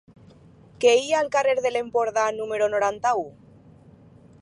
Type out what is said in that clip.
Què hi ha al carrer de l'Empordà número noranta-u?